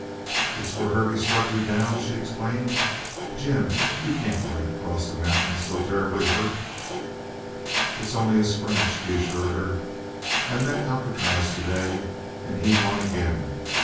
"It's where Hervey struck you down!" she exclaimed. "Jim, you can't ride across the mountains so terribly hurt " "It's only a scratch," he assured her. "I met Alcatraz to day, and he won again!